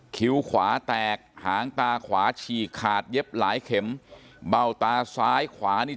คิ้วขวาแตกหางตาขวาฉีกขาดเย็บหลายเข็มเบ้าตาซ้ายขวานี่